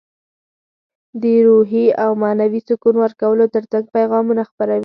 د روحي او معنوي سکون ورکولو ترڅنګ پیغامونه خپروي.